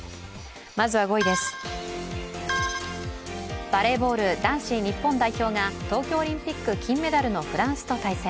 まずは５位です、バレーボール男子日本代表が東京オリンピック金メダルのフランスと対戦。